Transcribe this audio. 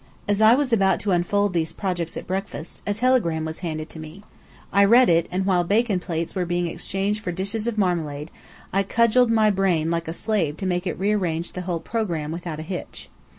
As I was about to unfold these projects at breakfast, a telegram was handed to me. I read it; and while bacon plates were being exchanged for dishes of marmalade, I cudgelled my brain like a slave to make it rearrange the whole programme without a hitch.